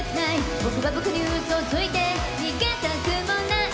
「僕は僕にウソついて逃げたくもない」